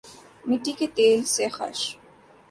مٹی کے تیل سے خش